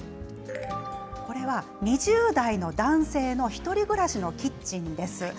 ２０代の男性の１人暮らしのキッチンです。